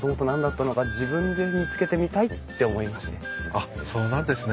あっそうなんですね。